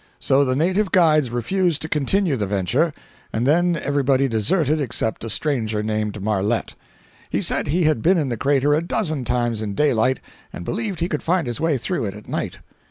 So the native guides refused to continue the venture, and then every body deserted except a stranger named Marlette. He said he had been in the crater a dozen times in daylight and believed he could find his way through it at night.